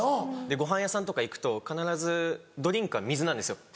ごはん屋さんとか行くと必ずドリンクは水なんですよ。